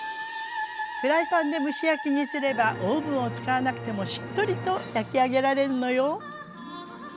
フライパンで蒸し焼きにすればオーブンを使わなくてもしっとりと焼き上げられるのよ。